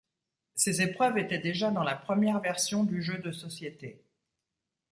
Ces épreuves étaient déjà dans la première version du jeu de société.